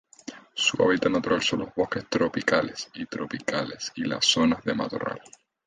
Su hábitat natural son los bosques tropicales y tropicales y las zonas de matorral.